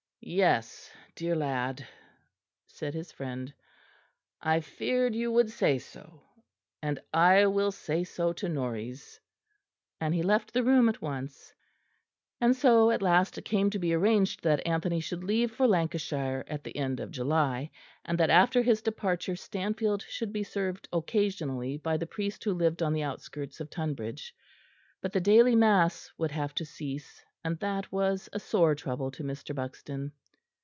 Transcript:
"Yes, dear lad," said his friend, "I feared you would say so; and I will say so to Norreys"; and he left the room at once. And so at last it came to be arranged that Anthony should leave for Lancashire at the end of July; and that after his departure Stanfield should be served occasionally by the priest who lived on the outskirts of Tonbridge; but the daily mass would have to cease, and that was a sore trouble to Mr. Buxton.